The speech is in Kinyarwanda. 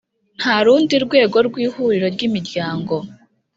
nta rundi rwego rw Ihuriro ry Imiryango